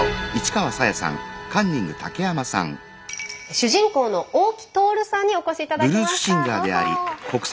主人公の大木トオルさんにお越し頂きました。